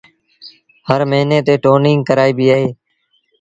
هر موهيݩي تي ٽونيٚنگ ڪرآئيبيٚ اهي